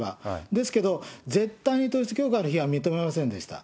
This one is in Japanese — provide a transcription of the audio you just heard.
ですけど、絶対に統一教会の非は認めませんでした。